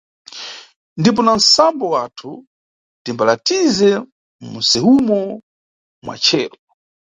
Ndipo na nʼsambo wathu timbalatize munʼsewumo mwa cheru.